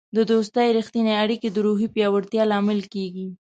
د دوستی رښتیني اړیکې د روحیې پیاوړتیا لامل کیږي.